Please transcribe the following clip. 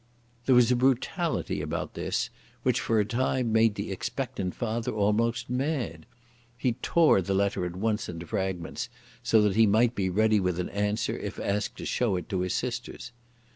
There was a brutality about this which for a time made the expectant father almost mad. He tore the letter at once into fragments, so that he might be ready with an answer if asked to show it to his sisters.